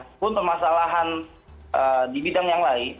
ataupun permasalahan di bidang yang lain